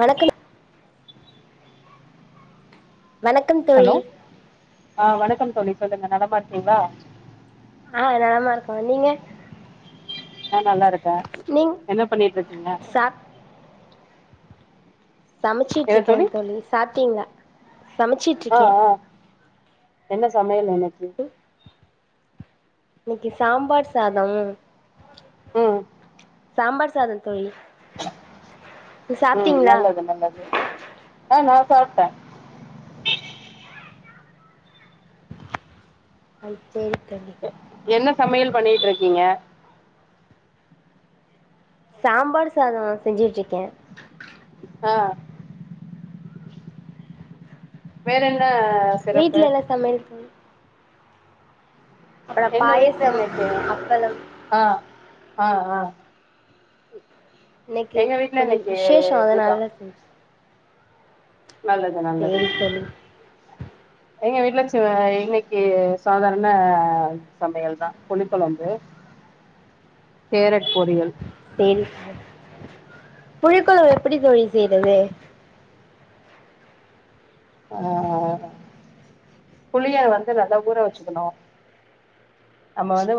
வணக்கம் வணக்கம் தோழி ஹலோ ஆ வணக்கம் தோழி சொல்லுங்க நலமா இருக்கிங்ளா ஆ நலமா இருக்கோ நீங்க நா நல்லா இருக்கே நீங் என்ன பண்ணிட்ருக்கிங்க சாப் சமச்சீட்ருக்கே தோழி சாப்டிங்ளா ஆ சமச்சீட்ருக்கே ஆ என்ன சமையல் இன்னைக்கி இன்னைக்கி சாம்பார் சாதம் ம் சாம்பார் சாதோ தோழி நீ உம் சாப்ட்டீங்ளா நல்லது நல்லது ஆ நா சாப்ட்டே ம் சேரி தோழி என்ன சமையல் பண்ணீட்ருக்கிங்க சாம்பார் சாதோ செஞ்சீட்ருக்கே ஆ வேரென்ன வீட்ல எல்லா சமையல் தோழி அப்பல எங்க வீட்ல பாயசம் இன்னைக்கு அப்பளம் ஆ ஆ ஆ இன்னைக்கி எங்க வீட்ல கொஞ்சோ இன்னைக்கு விசேஷோ இதுதா அதனால செஞ்செ நல்லது நல்லது சேரி தொழி எங்க வீட்ல சிவ இன்னைக்கி சாதாரண சமையல்தா புளிக்கொழம்பு கேரட் பொறியல் சரி புளிக்கொழம்பு எப்படி தோழி செய்யறது ஆ புளிய வந்து நல்லா ஊற வச்சுக்கணு நம்ம வந்து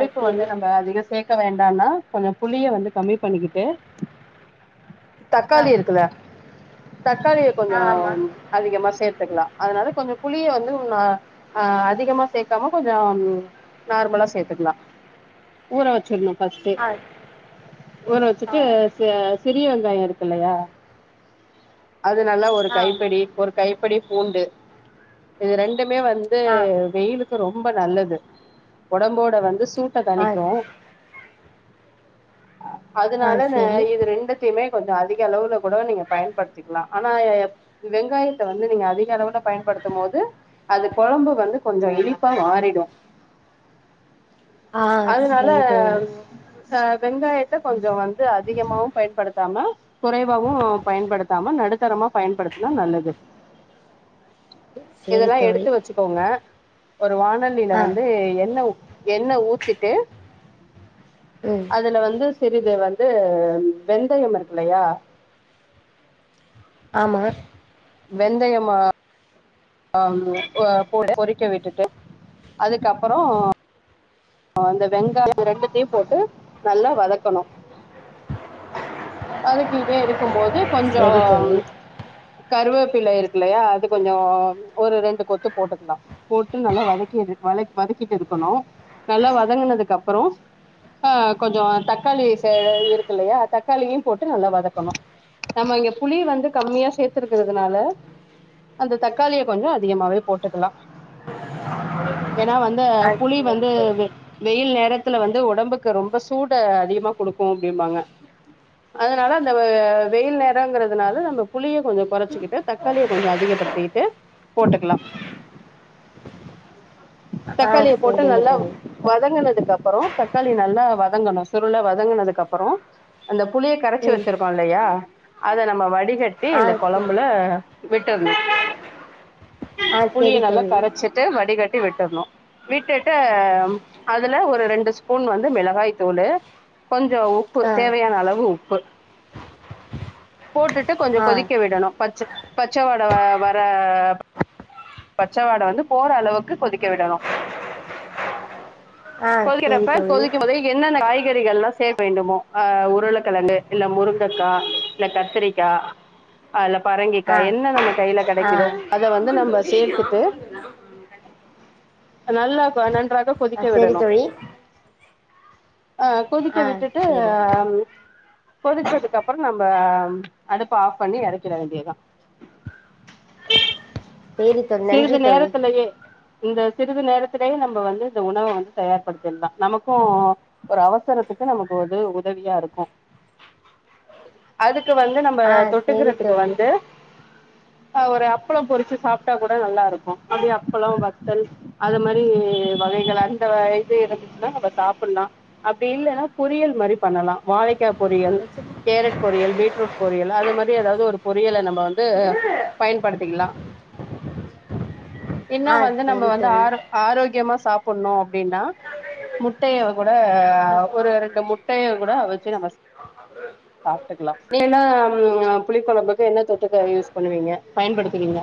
அது வந்து சேரி நம்ம அதிக சேக்க வேண்டானா கொஞ்ச புளிய வந்து கம்மி பண்ணிக்கிட்டு ஆ தக்காளி இருக்குல்ல தக்காளிய ஆ கொஞ்சோ ஆமா அதிகமா சேர்த்துக்கலா அதனால கொஞ்ச புளிய வந்து ஆ அதிகமா சேக்காம கொஞ்சோ நார்மலா சேத்துக்கலா ஊற வச்சிரனு ஃபஸ்டே ஆ ஊற ஆ வச்சுட்டு ஆ ச சிறிய வெங்காய இருக்குல்லையா அது நல்லா ஒரு ஆமாம் கைப்பிடி ஒரு கைப்பிடி பூண்டு இது ரெண்டுமே வந்து ஆ வெயிலுக்கு ரொம்ப நல்லது உடம்போட வந்து சூ ட்ட ஆ தணிக்கு ஆ அதனால சரி இது ரெண்டு மே கொஞ்ச அதிக அளவுல கூட நீங்க பயன்படுத்திக்கலா ஆனா வெங்காயத்த வந்து நீங்க அதிக அளவுல பயன்படுத்தும்போது அது குழம்பு வந்து கொஞ்ச இனிப்பா மாறிடு ஆ அதனால சரி தோழி அ வெங்காயத்த கொஞ்ச வந்து அதிகமாவு பயன்படுத்தாம குறைவாவு பயன்படுத்தாம நடுத்தரமா பயன்படுத்தினா நல்லது சரி இதெல்லா தோழி எடுத்து வச்சுக்கோங்க ஒரு வானலியில ஆ வந்து என்ன என்ன ஊத்திட்டு ம் அதுல வந்து சிறிது வந்து வெந்தயம் இருக்குல்லையா ஆமா வெந்தயமா ட பொறிக்க விட்டுட்டு அதுக்கப்புறோ அந்த வெங்காய ரெண்டுத்தையு போட்டு நல்லா வதக்கணு அதுக்கு இதே இருக்கும்போது கொஞ்சோ சரி தோழி கருவேப்பில இருக்குல்லையா அது கொஞ்சோ ஒரு ரெண்டு கொத்து போட்டுக்கலா போட்டு நல்லா வதக்கி வத வதக்கிட்டு இருக்கணு நல்லா வதங்கினதுக்கு அப்புறோ ஆ கொஞ்சோ தக்காளி சடு இருக்கு இல்லையா தக்காளியு போட்டு நல்லா வதக்கணு நம்ம இங்க புளிய வந்து கம்மியா சேத்திருக்கிறதுனால அந்த தக்காளிய கொஞ்சோ அதிகமாவே போட்டுக்கலா ஏன்னா வந்து ஆ இந்த புலி சரி வந்து தோழி வெ- வெயில் நேரத்துல வந்து உடம்புக்கு ரொம்ப சூட அதிகமா கொடுக்கு அப்டிம்பாங்க அதனால அந்த வெயில் நேரங்கறதுனால நம்ம புளிய கொஞ்ச குறைச்சிக்கிட்டு த காலிய கொஞ்ச அதிகப்படுத்திக்கிட்டு போட்டுக்கலா அ தக்காளிய போட்டு சரிங்க நல்லா தோழி வதங்குனதுக்கு அப்புறோ தக்காளி நல்லா வதங்கணு சுருளா வதங்கனதுக்குப்புறோ அந்த புளிய கரைச்சி ம் வச்சிருக்கோ இல்லையா அத நம்ம வடிக கட்டி ஆ இந்த சரி குழம்புல விட்டர்னு ஆ புளிய சரி நல்லா தோழி கரைச்ச சிட்டு வடிகட்டி விட்டுர்னு விட்டுட்டு அதுல ஒரு ரெண்டு ஸ்பூன் வந்து மிளகாய் தூள் கொஞ்ச உப் உப்பு ஆ தேவையான அளவு உப்பு போட்டுட்டு கொஞ்சோ ஆ கொதிக்க விடணு பச்ச பச்ச வட வர பச்சவாட வந்து போற அளவுக்கு கொதிக்க விடணு ஆ சரி கொதிக்கிறப்ப தோழி கொதிக்கோ தே என்னென்ன காய்கறிகள்லா சே வேண்டுமோ அ உருளக்கிழங்கு இல்ல முருங்கக்கா இல்ல கத்திரிக்கா அல்ல பரங்கிக்காய் ஆ என்ன நம்ம கையில ஆ கிடைக்குதோ அத வந்து நம்ம சேத்துட்டு நல்லா ப்ப நன்றாகப் ஆ கொதிக்க சரி விடணு தோழி ஆ கொதிக்க ஆ விட்டுட்டு சரி அ கொதிச்சதுக்குப்புறோ நம்ப அடுப்ப ஆஃப் பண்ணி இறக்கிட வேண்டியதா சரி தோழி நன்றி சிறிது தோழி நேரத்துலயே இந்த சிறிது நேரத்திலேயே நம்ம வந்து இந்த உணவ வந்து தயார்படுத்திகிடலா நமக்கு ஒரு அவசரத்துக்கு நமக்கு வந்து உதவியா இருக்கு [inaudible] அதுக்கு வந்து நம்ம ஆ சரி தொட்டுக்கிறதுக்கு தோழி வந்து ஒரு அப்புளம் பொரிச்சு சாப் ட்டா கூட நல்லா இருக்கு அப்டியே அப்பளோ வத்தல் அது மாரி வகைகள் அந்த இது இருந்துச்சுன்னா நம்ம சாப்பிட்லா அப்டி இல்லன்னா பொறியல் மாரி பண்ணலா வாழைக்கா பொரியல் கேரட் பொரியல் பீட்ரூட் பொரியல் அது மாரி எதாது ஒரு பொரியல நம்ம வந்து பயன்படுத்திக்லா இன்னு ஆ வந்து நம்ம சரி வந்து தோழி ஆரோ ஆரோக்கியமா சாப்பட்ணு அப்டீன்னா முட்டைய கூட ஆ ஒரு ரெண்டு முட்டைய கூட வச்சு நம்ம சா அ சாப்ட்டுக்லா இல்லேனா ம் புளி கொழம்புக்கு என்ன தொட்டுக்க யூஸ் பண்ணுவீங்க பயன்படுத்துவீங்க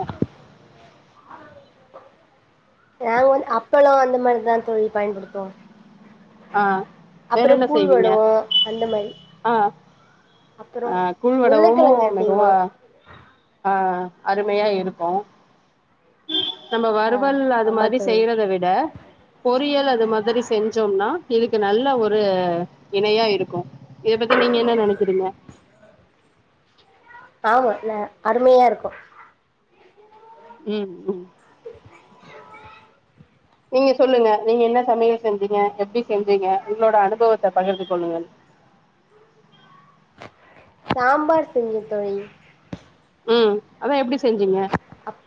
ஏங்க வந் அப்பளோ அந்த மாரிதா தோழி பயன்படுத்துவோ ஆ அப்பறோ வேறென்ன கூழ் செய்வீங்க வடவோ அந்த மாரி ஆ அப்பறோ அ கூழ் வடவு உருளக்கெழங்கு செய்வோ மெதுவா ஆ அருமையா இருக்கூ நம்ம ஆ வறுவல் அது ஆமா மாரி தோழி செய்யறத விட பொரியல் அது மாதிரி செஞ்சோம்னா இதுக்கு நல்ல ஒரு இணையா இருக்கூ இத பத்தி நீங்க என்ன நெனைக்கிறீங்க ஆமால அருமையா இருக்கூ ம் ம் நீங்க சொல்லுங்க நீங்க என்ன சமையல் செஞ்சீங்க எப்டி செஞ்சீங்க உங்களோட அனுபவத்த பகிர்ந்து கொள்ளுங்க சாம்பார் செஞ்ச தொழி ம் அதா எப்டி செஞ்சீங்க அப்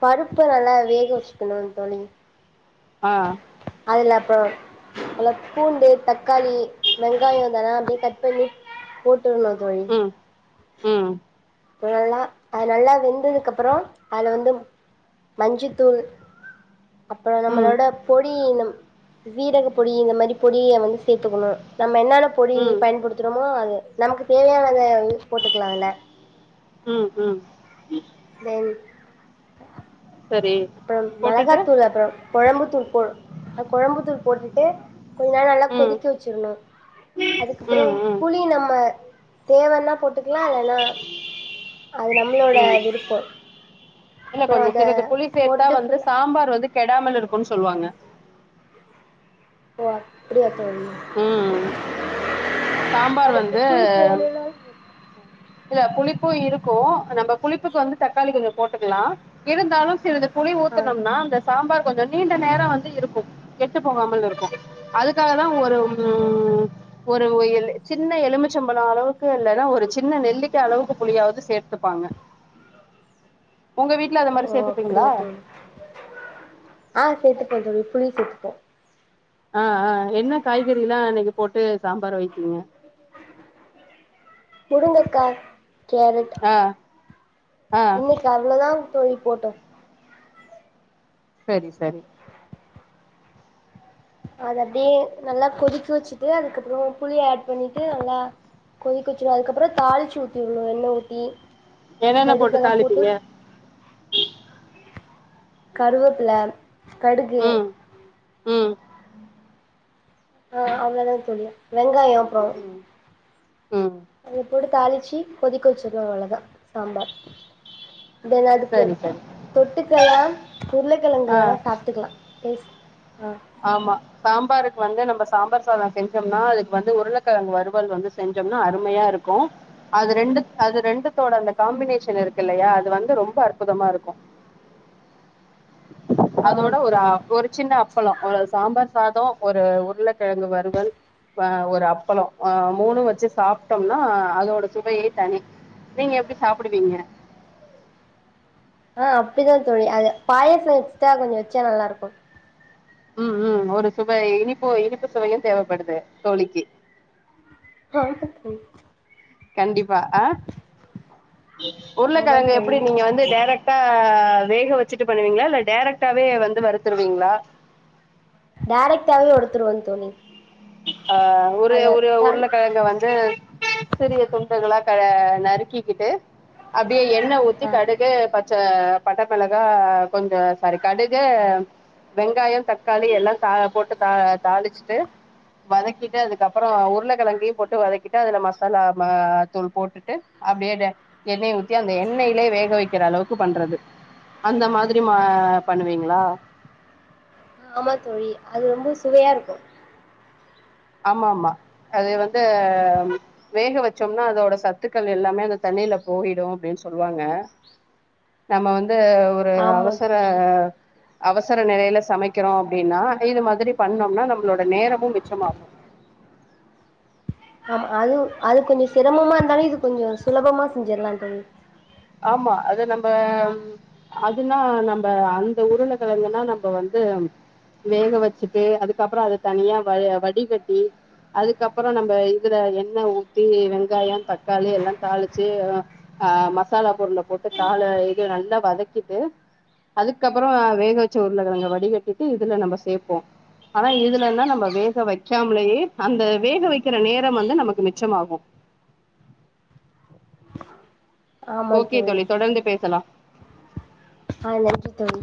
பருப்ப நல்லா வேக வச்சுக்கணு தோழி ஆ அதுல அப்றோம் அதுல பூண்டு தக்காளி வெங்காயம் தான அப்டியே கட் பண்ணி போட்டுருணு தொழி ம் ம் அது நல்லா அது நல்லா வெந்ததுக்கு அப்புறோ அல வந்து மஞ்சித்தூள் அப்பறோ ம் நம்மளோட பொடி ஈனம் சீரக பொடி இந்த மாரி பொடிய வந்து சேத்துக்கணு நம்ம என்னான பொடி ம் பயன்படுத்துறோமோ அது நமக்கு தேவையானத உரிச் போட்டுக்கலா அல ம் ம் தென் சரி அப்பறம் போட்டுட்டு மெளகாத்தூள் அப்பற கொழம்புத்தூள் போ அ கொழம்புத்தூள் போட்டுட்டு கொஞ்ச நேர் நல்லா ம் கொதிக்க வச்சிர் ணு அதுக்கப்பறோ ம் ம் புளி நம்ம தேவன்னா போட்டுக்கலா இல்லன்னா அது நம்மளோட ம் விருப்போ இல்ல அப்புறோ கொஞ்சோ அத சிலது புளி சேத்தா போட்டுட்டு வந்து ஃபுல்லா சாம்பார் வந்து கெடாமல் இருக்குன் சொல்வாங்க ஓ அப்பிடியா தோழி ம் சாம்பார் எனக்கு வந்து புளிப்பு வேணுன்னா இல்ல புளிப்பு இருக்கு நம்ம புளிப்புக்கு வந்து தக்காளி கொஞ்சோ போட்டுக்லா இருந்தாலு சிறிது புளி ஆ ஊத்தனம்னா அந்த சாம்பார் கொஞ்சோ நீண்ட நேரோ வந்து இருக்கு கெட்டு போகாமல் இருக்கு அதுக்காகதா ஒரு ம் ஒரு சின்ன எலுமிச்சம்பழோ அளவுக்கு இல்லன்னா ஒரு சின் ன நெல்லிக்கா அளவுக்கு புளியாவது சேர்த்துப்பாங்க உங்க வீட் ல அதுமாரி ஓ சேத்துப்பீங்ளா அப்படியா தோழி ஆ சேத்துப்பே தோழி புளி சேத்துப்பே ஆ ஆ என்ன காய்கறில்லா இன்னைக்கு போட்டு சாம்பார் வைத்தீங்க முருங்கக்கா கேரட் ஆ ஆ இன்னைக்கு அவ்ளோதாங் தோழி போட்டே செரி செரி அத அப்டியே நல்லா கொதிக்க வச்சுட்டு அதுக்கப்பறோ புளிய ஆட் பண்ணீட்டு நல்லா கொதிக்க வச்சுருவ அதுக்கப்பறோ தாளிச்சு ஊத்தீரனு எண்ண ஊத்தி என்னென்ன போட்டு தாளிப்பீங்க கருவேப்பிலை கடுகு ம் ம் ஆ அவ்வளோதான் தோழி வெங்காயம் ம் ம் அத போட்டு தாளிச்சி கொதிக்க வச்சிர்னு அவ்வளதா சாம்பார் தென் அதுக்கு சரி சரி தொட்டுக்கையா உருளைக்கிழங்கு ஆ வேணா சாப்ட்டுக்கலா டெஸ் ஆ ஆமா சாம்பாருக்கு வந்து நம்ம சாம்பார் சாதம் செஞ்சம்னா அதுக்கு வந்து உருளைக்கிழங்கு வறுவல் வந்து செஞ்சோம்னா அருமையா இருக்கும் அது ரெண்டு அது ரெண்டுத்தோட அந்த காம்பினேஷன் இருக்கு இல்லையா அது வந்து ரொம்ப அற்புதமா இருக்கு ஆமா அதோட ஒரு அ தோழி ஒரு சின்ன அப்பள ஒரு சாம்பார் சாதம் ஒரு உருளைக்கிழங்கு வறுவல் ஆ ஒரு அப்பளோ அ மூணு வச்சு சாப்ட்டோம்னா அதோட சுவையே தனி நீங்க எப்டி சாப்பிடுவீங்க ஆ அப்டிதா தோழி அது பாயச எக்ஸ்ட்டா கொஞ்ச வச்சா நல்லா இருக்கு ம் ம் ஒரு சுவை இனிப்பு இனிப்பு சுவையு தேவப்படுது தோழிக்கு [unintelligible] கண்டிப்பா அ ஆமா உருளக்கிழங்க தோழி எப்டி நீங்க வந் டேரக்டா வேக வச்சுட்டு பண்ணுவீங்ளா இல்ல டேரக்ட்டாவே வந்து வறுத்துருவீங்ளா டேரக்டாவே வறுத்துருவன் தோழி ஆ ஒரு அத ஒரு தான் உருளக்கிழங்க வந் து சிறிய துண்டுகளா கல நறுக்கிக்கிட்டு அப்டியே எண்ண ஊத் தி ஆ கடுகு பச்ச பட்ட மெளகா கொஞ்சோ சாரி கடுகு வெங்காயோ தக்காளி எல்லா த போட்டு த தாளிச்சுட்டு வதக்கிட்டு அதுக்கப்பறோ உருளக்கெழங்கையு போட்டு வதக்கிட்டு அதுல மசாலா ம தூள் போட்டுட்டு அப்டியே டே எண்ணெய ஊத்தி அந்த எண்ணெய்லே வேக வைக்கிற அளவுக்கு பண்றது அந்த மாதிரி மா பண்ணுவீங்ளா ஆமாத்தோழி அது ரொம்ப சுவையா இருக்கு ஆமாமா அது வந்து வேக வச்சோம்னா அதோட சத்துக்கள் எல்லாமே அந்த தண்ணில போயிடு அப்டின்னு சொல்லுவாங்க நம்ம வந்து ஒரு ஆமா அவசர தோழி அவசர நெலைல சமைக்கிறோ அப்டின்னா இது மாதிரி பண்ணோம்னா நம்ம ளோட நேரமு மிச்சமாகு ஆமா அது அது கொஞ்சொ சிரமமா இருந்தாலு இது கொஞ்சொ சுலபமா செஞ்சிர்லா தோழி ஆமா அது நம்ப ம் அதுனா நம்ப அந்த உருளகெழங்குன்னா நம்ப வந்து வேக வச்சுட்டு அதுக்கப்பறோ அத தனியா வ வடிகட்டி அதுக்கப்பறோ நம்ப இதுல எண்ண ஊத்தி வெங்காயோ தக்காளி எல்லா தாளிச்சு ஆ மசாலா பொருள போட்டு தாள இது நல்லா வதக்கிட்டு அதுக்கப்பறோ வேக வச்ச உருளக்கெழங்க வடிகட்டிட்டு இதுல நம்ப சேப்போ ஆனா இதுலன்னா நம்ம வேக வைக்காமலேயே அந்த வேக வைக்கிற நேரம் வந்து நமக்கு மிச்சமாகு ஓகே தோழி தொடர்ந்து பேசலா ஆ நன்றி தோழி ! ! ! ! ! ! ! ! ! !